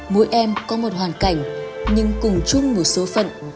mỗi em có một hoàn cảnh nhưng cùng chung một số phận